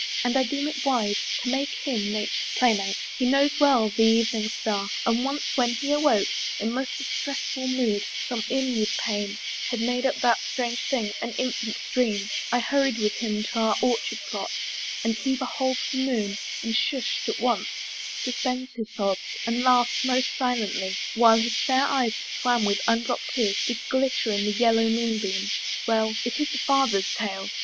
And I deem it wise To make him Nature's playmate. He knows well The evening star: and once when he awoke In most distressful mood (some inward pain Had made up that strange thing, an infant's dream) I hurried with him to our orchard plot, And he beholds the moon, and hush'd at once Suspends his sobs, and laughs most silently, While his fair eyes that swam with undropt tears Did glitter in the yellow moon beam! Well It is a father's tale.